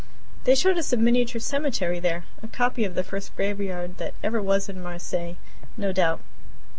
They showed us a miniature cemetery there a copy of the first graveyard that was ever in Marseilles, no doubt.